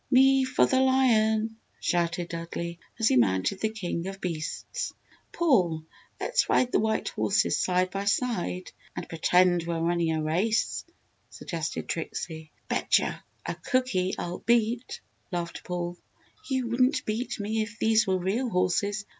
"Me for the lion!" shouted Dudley, as he mounted the king of beasts. "Paul, let's ride the white horses side by side and pretend we're running a race," suggested Trixie. "Bet'che a cookie I'll beat!" laughed Paul. "You wouldn't beat me if these were real horses!